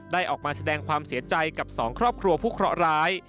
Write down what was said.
ออกมาแสดงความเสียใจกับสองครอบครัวผู้เคราะห์ร้าย